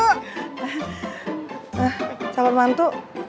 nah calon mantu